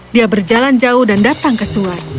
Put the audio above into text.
dia berjalan jauh dan datang ke suar